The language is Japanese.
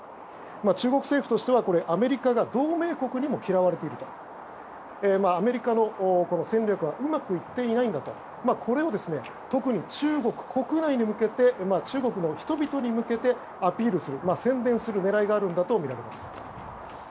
中国政府としてはアメリカが同盟国にも嫌われているとアメリカの戦略はうまくいっていないんだとこれを特に中国国内中国の人々に向けてアピールする宣伝する狙いがあるんだとみられます。